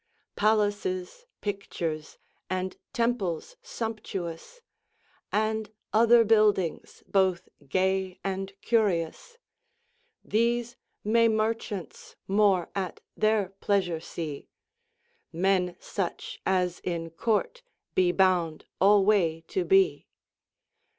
Palaces, pictures, and temples sumptuous, And other buildings both gay and curious, These may marchauntes more at their pleasour see, Men suche as in court be bounde alway to bee.